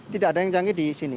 tidak ada yang canggih di sini